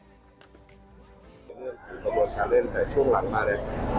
เรื่องกระบวนการเล่นแต่ช่วงหลังมาเนี่ย